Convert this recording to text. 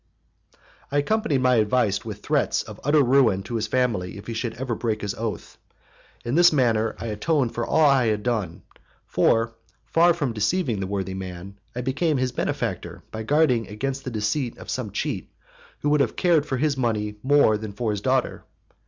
I accompanied my advice with threats of utter ruin to his family if he should ever break his oath. And in this manner I atoned for all I had done, for, far from deceiving the worthy man, I became his benefactor by guarding against the deceit of some cheat who would have cared for his money more than for his daughter.